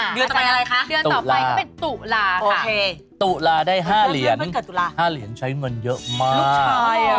เงินต่อไปก็เป็นตุลาค่ะตุลาได้๕เหรียญ๕เหรียญใช้เงินเยอะมาก